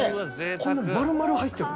こんな丸々入ってる？